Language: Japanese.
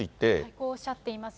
こうおっしゃっています。